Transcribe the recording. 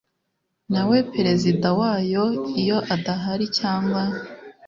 nawe Perezida wayo Iyo adahari cyangwa